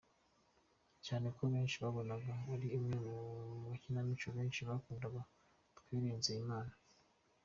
cyane ko benshi babonaga ari imwe mu makinamico benshi bakundaga, twegereye Nzeyimana.